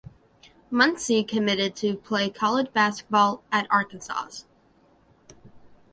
Muncy committed to play college baseball at Arkansas.